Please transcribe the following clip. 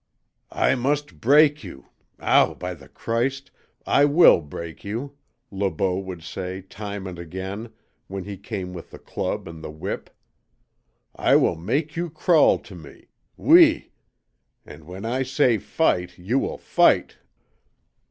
"I must break you OW! by the Christ! I WILL break you!" Le Beau would say time and again when he came with the club and the whip. "I will make you crawl to me OUI, and when I say fight you will fight!"